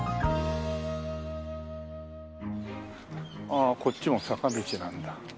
ああこっちも坂道なんだ。